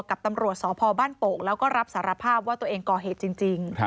กับตำรวจสพบ้านโป่งแล้วก็รับสารภาพว่าตัวเองก่อเหตุจริง